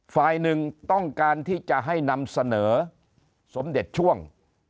ฝ่ายหนึ่งต้องการที่จะให้นำเสนอสมเด็จช่วง